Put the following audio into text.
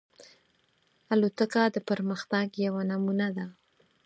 الوتکه د پرمختګ یوه نمونه ده.